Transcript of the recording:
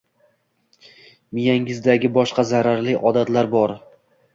Miyangizdagi boshqa zararli odatlar bor